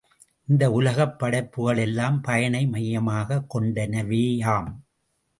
இந்த உலகப் படைப்புகளெல்லாம் பயனை மையமாகக் கொண்டனவேயாம்.